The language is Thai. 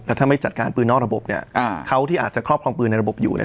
ถ้าไม่จัดการปืนนอกระบบเนี่ยเขาที่อาจจะครอบครองปืนในระบบอยู่เนี่ย